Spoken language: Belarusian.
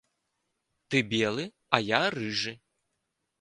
Ты белы, а я рыжы.